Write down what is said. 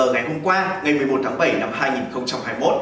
ngày hôm qua ngày một mươi một tháng bảy năm